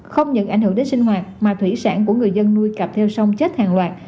không những ảnh hưởng đến sinh hoạt mà thủy sản của người dân nuôi cặp theo sông chết hàng loạt